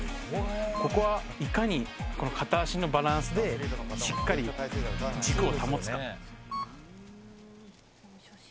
ここはいかに片足のバランスでしっかり軸を保つか。